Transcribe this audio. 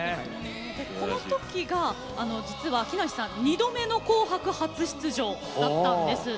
このときが実は木梨さん二度目の「紅白」初出場だったんです。